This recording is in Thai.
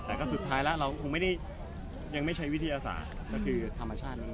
แต่สุดท้ายละเราก็ยังไม่ใช้วิธีอาศาแต่คือธรรมชาตินึงเลย